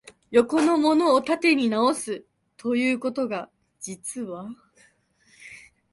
横のものを縦に直す、ということが、実は、